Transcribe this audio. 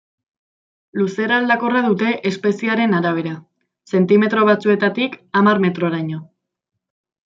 Luzera aldakorra dute espeziearen arabera: zentimetro batzuetatik hamar metroraino.